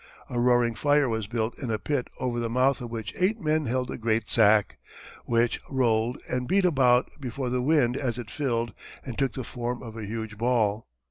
A roaring fire was built in a pit over the mouth of which eight men held the great sack, which rolled, and beat about before the wind as it filled and took the form of a huge ball.